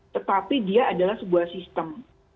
tetapi dia adalah sebuah sistem